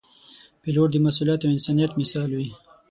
پیلوټ د مسؤلیت او انسانیت مثال وي.